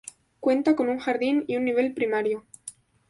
Cuenta con un jardin y un nivel primario